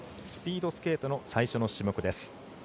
スピードスケートの最初の種目です。